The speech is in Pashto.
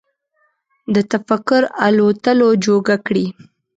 د تفکر الوتلو جوګه کړي